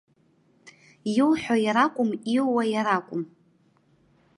Иуҳәо иара акәым, иууа иара акәым.